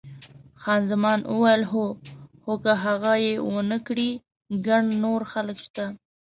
خان زمان وویل، هو، خو که هغه یې ونه کړي ګڼ نور خلک شته.